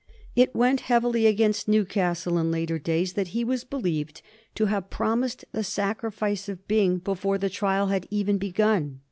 It went heavily against Newcastle in later days that he was believed to have promised the sacrifice of Byng before the trial had even begun.